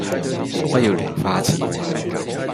不要亂花錢